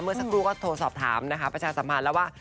สักครู่ก็โทรสอบถามนะคะประชาสัมพันธ์แล้วว่า